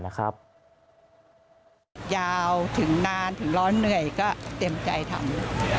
ยาวถึงนานถึงร้อนเหนื่อยก็เต็มใจทำ